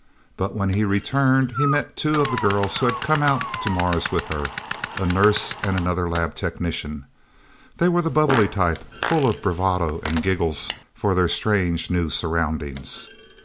But when he returned, he met two of the girls who had come out to Mars with her a nurse and another lab technician. They were the bubbly type, full of bravado and giggles for their strange, new surroundings.